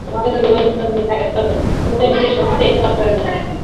তোমাদের যদি ঐ গুণগুলি থাকে, তবে ওরা নিজেদের শক্তিতেই পথ করে নেবে।